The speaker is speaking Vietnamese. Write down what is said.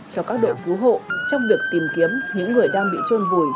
cho các đội cứu hộ trong việc tìm kiếm những người đang bị trôn vùi